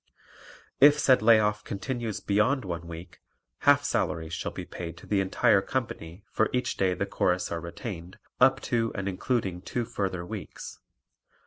If said lay off continues beyond one week half salaries shall be paid to the entire company for each day the Chorus are retained up to and including two further weeks.